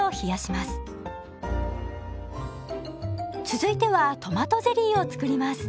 続いてはトマトゼリーを作ります。